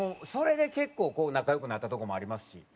それで結構仲良くなったとこもありますし。